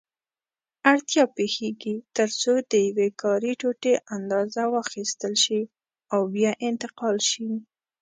اړتیا پېښېږي ترڅو د یوې کاري ټوټې اندازه واخیستل شي او بیا انتقال شي.